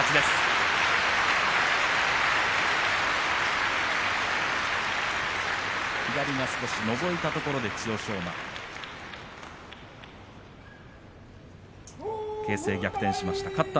拍手左が少しのぞいたところで千代翔馬、形勢逆転しました。